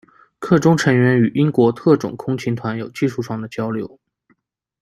课中成员与英国特种空勤团有技术上的交流。